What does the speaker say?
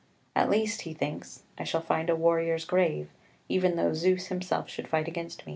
"At least," he thinks, "I shall find a warrior's grave, even though Zeus himself should fight against me."